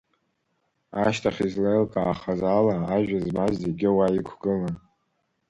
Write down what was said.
Ашьҭахь излеилкаахаз ала, ажәа змаз зегьы уа иқәгылан.